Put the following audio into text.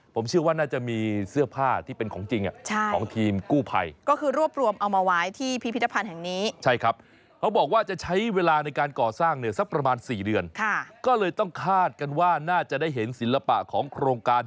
ผมเชื่อว่าน่าจะมีเสื้อผ้าที่เป็นของจริงของทีมกู้ภัยก็คือรวบรวมเอามาไว้ที่พิพิธภัณฑ์แห่งนี้ใช่ครับเขาบอกว่าจะใช้เวลาในการก่อสร้างเนี่ยสักประมาณ๔เดือนก็เลยต้องคาดกันว่าน่าจะได้เห็นศิลปะของโครงการ